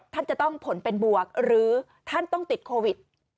ท่านจะต้องผลเป็นบวกหรือท่านต้องติดโควิด